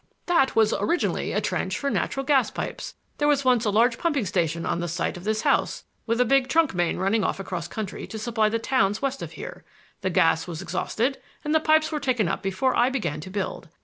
"That was originally a trench for natural gas pipes. There was once a large pumping station on the site of this house, with a big trunk main running off across country to supply the towns west of here. The gas was exhausted, and the pipes were taken up before I began to build.